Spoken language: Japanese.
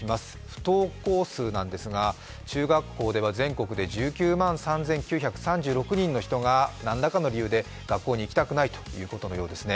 不登校数なんですが中学校では全国で１９万３９３６人の生徒が何らかの理由で学校に行きたくないということのようですね。